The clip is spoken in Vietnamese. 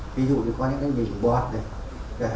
ví dụ như có những cái bình bọt này